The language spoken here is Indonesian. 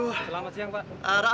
selamat siang pak